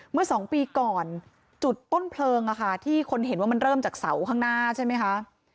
เมื่อสองปีก่อนจุดต้นเพลิงที่คนเห็นว่ามันเริ่มจากเสาข้างหน้าใช่ไหมคะ